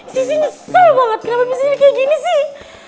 sisi nyesel banget kenapa bisa jadi kayak gini sih